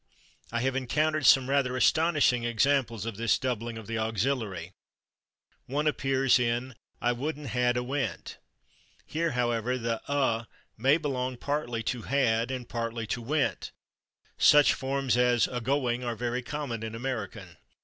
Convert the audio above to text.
" I have encountered some rather astonishing examples of this doubling of the auxiliary: one appears in "I wouldn't had '/a/ went." Here, however, the /a/ may belong partly to /had/ and partly to /went/; such forms as /a going/ are very common in American.